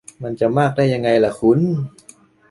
มันจะมากได้ยังไงล่ะคุณ -_